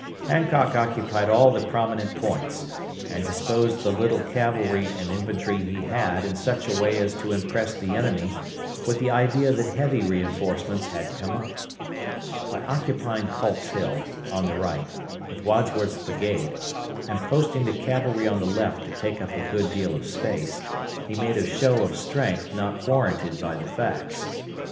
Hancock occupied all the prominent points, and disposed the little cavalry and infantry he had in such a way as to impress the enemy with the idea that heavy reinforcements had come up. By occupying Culp's Hill, on the right, with Wadsworth's brigade, and posting the cavalry on the left to take up a good deal of space, he made a show of strength not warranted by the facts.